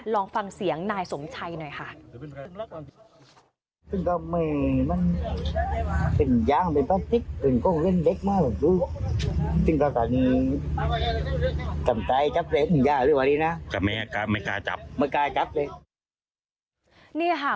ลองฟังเสียงนายสมชัยหน่อยค่ะ